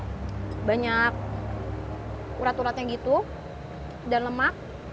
karena memang kayak banyak urat uratnya gitu dan lemak